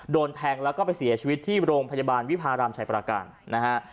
โดนแทงแล้วก็ไปเสียชีวิตที่โรงพยาบาลวิพารามชายประการนะฮะ